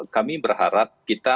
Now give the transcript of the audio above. kami berharap kita